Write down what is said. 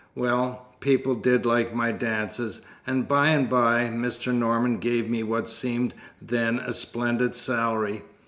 Well, people did like my dances, and by and by Mr. Norman gave me what seemed then a splendid salary.